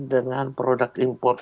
dengan produk import